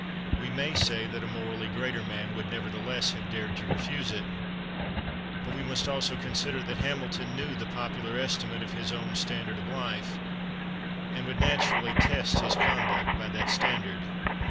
We may say that a morally greater man would nevertheless have dared to refuse it, but we must also consider that Hamilton knew the popular estimate of his own standard of life, and would naturally test his conduct by that standard.